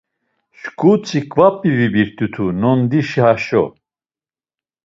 Şǩu tziǩvap̌i vibirt̆itu nondişi haşo.